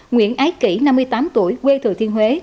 nguyễn ái kỷ năm mươi tám tuổi quê thừa thiên huế